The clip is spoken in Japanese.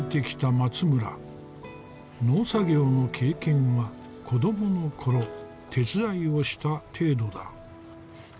農作業の経験は子どもの頃手伝いをした程度だ。